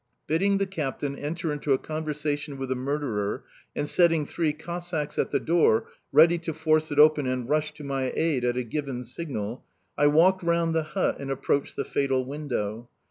Bidding the captain enter into a conversation with the murderer and setting three Cossacks at the door ready to force it open and rush to my aid at a given signal, I walked round the hut and approached the fatal window.